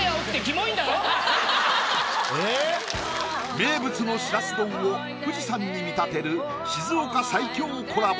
名物のしらす丼を富士山に見立てる静岡最強コラボ。